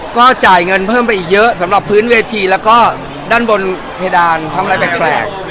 ก็จ่ายเงินเพิ่มไปอีกเยอะสำหรับพื้นเวทีแล้วก็ด้านบนเพดานทำอะไรแปลก